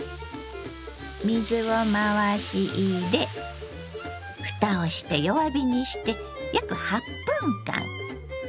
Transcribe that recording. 水を回し入れ蓋をして弱火にして約８分間。